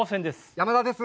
山田です。